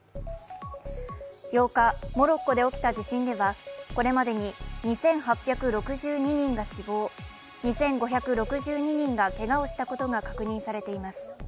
８日、モロッコで起きた地震ではこれまでに２６８１人が死亡、２５６２人がけがをしたことが確認されています。